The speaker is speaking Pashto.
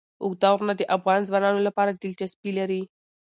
اوږده غرونه د افغان ځوانانو لپاره دلچسپي لري.